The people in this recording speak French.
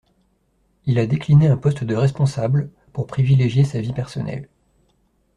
Il a décliné un poste de responsable pour privilégier sa vie personnelle.